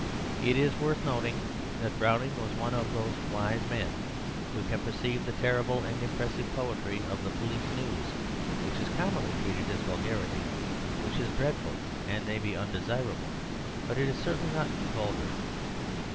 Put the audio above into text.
It is worth noting that Browning was one of those wise men who can perceive the terrible and impressive poetry of the police news, which is commonly treated as vulgarity, which is dreadful and may be undesirable, but is certainly not vulgar.